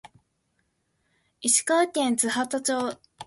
石川県津幡町